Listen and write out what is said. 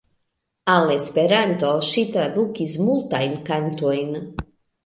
Al Esperanto ŝi tradukis multajn kantojn.